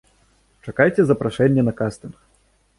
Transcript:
Чакайце запрашэння на кастынг!